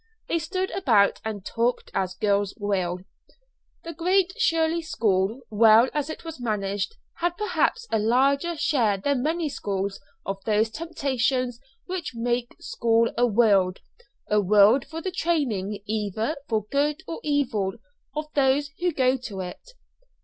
They stood about and talked as girls will. The Great Shirley School, well as it was managed, had perhaps a larger share than many schools of those temptations which make school a world a world for the training either for good or evil of those who go to it.